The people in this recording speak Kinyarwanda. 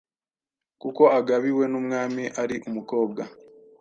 kuko agabiwe n’umwami ari umukobwa.